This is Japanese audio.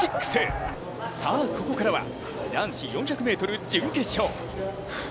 さあここからは男子４００ｍ準決勝。